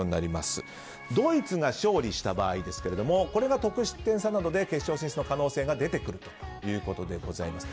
ドイツが勝利した場合ですがこれが得失点差などで決勝進出の可能性が出てくるというわけです。